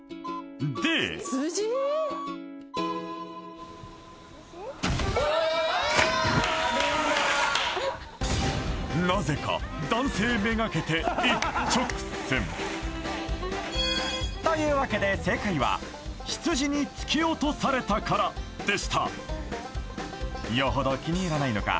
でなぜか男性めがけて一直線というわけで正解はひつじに突き落とされたからでしたよほど気に入らないのか